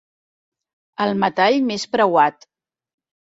El metall més preuat.